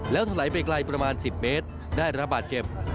แล้วถลายไปไกลประมาณ๑๐เมตรได้ระบาดเจ็บ